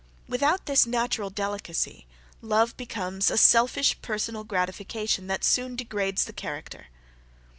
Without this natural delicacy, love becomes a selfish personal gratification that soon degrades the character.